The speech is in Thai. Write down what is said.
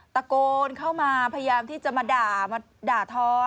ตะโกนเข้ามาพยายามที่จะมาด่ามาด่าทอ